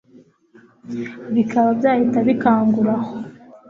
Bikaba byahita bikangura aho